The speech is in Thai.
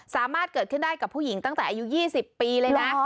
สามารถเกิดขึ้นได้กับผู้หญิงตั้งแต่อายุ๒๐ปีเลยนะ